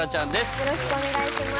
よろしくお願いします。